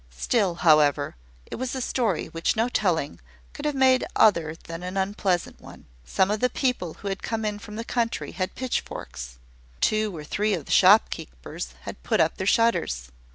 Still, however, it was a story which no telling could have made other than an unpleasant one. Some of the people who had come in from the country had pitchforks. Two or three of the shopkeepers had put up their shutters.